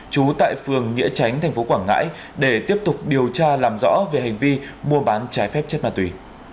trú tại phường nghĩa chánh tp quảng ngãi để tiếp tục điều tra làm rõ về hành vi mua bán trái phép chất ma túy